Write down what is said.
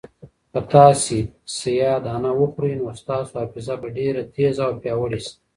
که تاسي سیاه دانه وخورئ نو ستاسو حافظه به ډېره تېزه او پیاوړې شي.